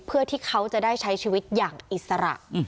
เพื่อที่เขาจะได้ใช้ชีวิตอย่างอิสระ